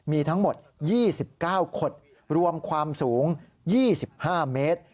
มีทั้งหมด๒๙ขดรวมความสูง๒๕เมตร